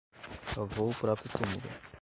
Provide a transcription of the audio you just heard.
Cavou o próprio túmulo